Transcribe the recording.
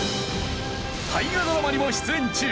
大河ドラマにも出演中！